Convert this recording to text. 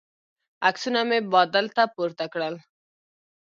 عکسونه مې بادل ته پورته کړل.